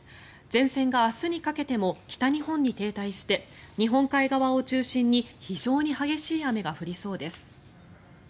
前線が明日にかけても北日本に停滞して日本海側を中心に非常に激しい雨が降りそうです。